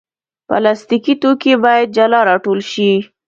پلاستيکي توکي باید جلا راټول شي.